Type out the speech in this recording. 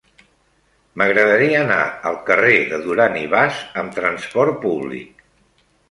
M'agradaria anar al carrer de Duran i Bas amb trasport públic.